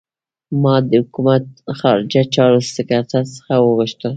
ما د حکومت خارجه چارو سکرټر څخه وغوښتل.